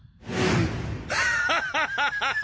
ハハハハハ！